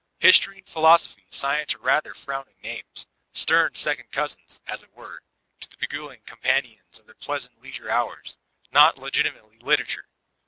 History, philosophy, science are rather frowning names, — stem second cousins, as it were, to the beguiling companions of their pleasant leisure hours, — not legitimately •literature."